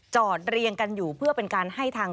เรียงกันอยู่เพื่อเป็นการให้ทาง